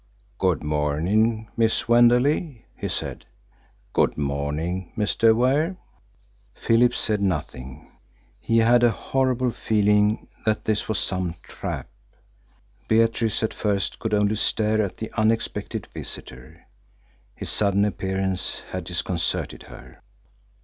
"Good morning, Miss Wenderley!" he said. "Good morning, Mr. Ware!" Philip said nothing. He had a horrible feeling that this was some trap. Beatrice at first could only stare at the unexpected visitor. His sudden appearance had disconcerted her.